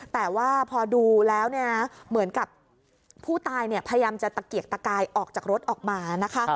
แต่ว่าพอดูแล้วเนี่ยเหมือนกับผู้ตายพยายามจะตะเกียกตะกายออกจากรถออกมานะคะ